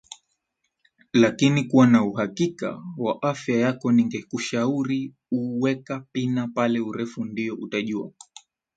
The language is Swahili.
lakini kuwa na uhakika wa afya yako ningekushauri weka pina pale urefu ndio utajua